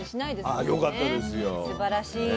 すばらしい。